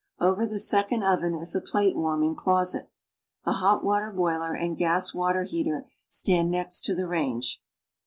Over this second oven is a plate warming closet. A hot water boiler and gas water heater stand next to the range.